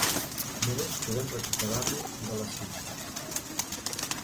Només podem recuperar-lo de les cintes.